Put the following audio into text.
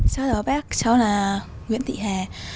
chào chào bác cháu là nguyễn thị hà